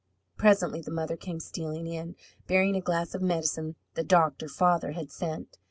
Presently the mother came stealing in, bearing a glass of medicine the doctor father had sent.